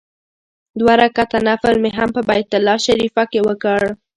دوه رکعته نفل مې هم په بیت الله شریفه کې وکړ.